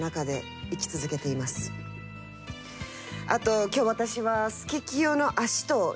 あと今日私は。